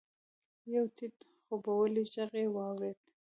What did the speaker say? يو ټيټ خوبولی ږغ يې واورېد.